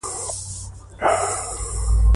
امريکايانوخپل موټران په بمونو ويشتلي وو.